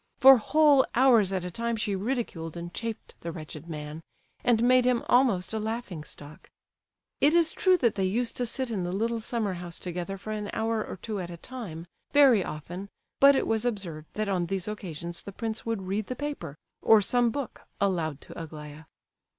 For whole hours at a time she ridiculed and chaffed the wretched man, and made him almost a laughing stock. It is true that they used to sit in the little summer house together for an hour or two at a time, very often, but it was observed that on these occasions the prince would read the paper, or some book, aloud to Aglaya.